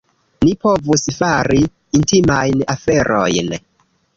Ni povus fari intimajn aferojn.